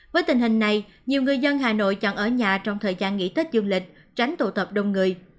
với tình hình này nhiều người dân hà nội chọn ở nhà trong thời gian nghỉ tết dương lịch tránh tụ tập đông người